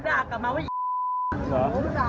เหรอจำไว้นี่เอาไว้นี่ไว้ไว้